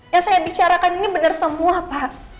yang saya bicarakan ini benar semua pak